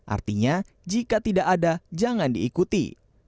artinya jika tidak ada jangan diikuti